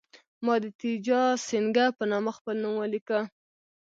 ما د تیجاسینګه په نامه خپل نوم ولیکه.